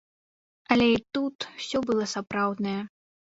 Але і тут усё было сапраўднае.